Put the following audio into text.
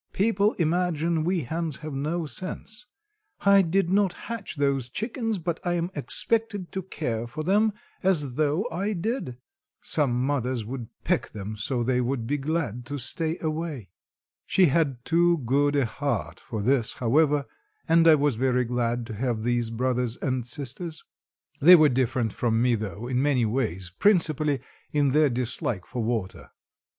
"People imagine we hens have no sense. I did not hatch those chickens, but I am expected to care for them, as though I did. Some mothers would peck them so they would be glad to stay away." She had too good a heart for this, however, and I was very glad to have these brothers and sisters. They were different from me, though, in many ways, principally, in their dislike for water.